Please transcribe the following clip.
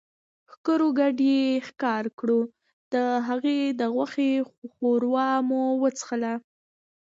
ښکرور ګډ ئې ښکار کړو، د هغه د غوښې ښوروا مو وڅښله